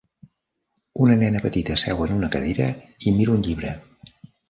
Una nena petita seu en una cadira i mira un llibre.